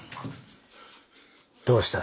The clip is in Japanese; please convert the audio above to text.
・どうした？